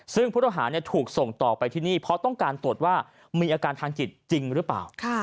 ซึ่งผู้ต้องหาถูกส่งต่อไปที่นี่เพราะต้องการตรวจว่ามีอาการทางจิตจริงหรือเปล่า